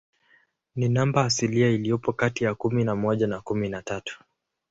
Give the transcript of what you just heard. Ni namba asilia iliyopo kati ya kumi na moja na kumi na tatu.